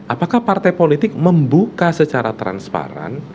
apakah partai politik membuka secara transparan